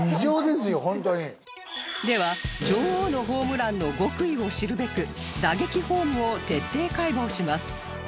では女王のホームランの極意を知るべく打撃フォームを徹底解剖します